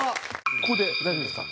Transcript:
ここで大丈夫ですか？